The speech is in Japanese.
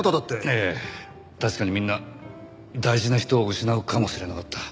ええ確かにみんな大事な人を失うかもしれなかった。